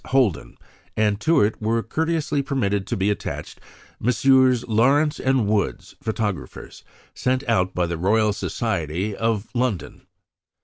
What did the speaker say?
Holden, and to it were courteously permitted to be attached Messrs. Lawrance and Woods, photographers, sent out by the Royal Society of London.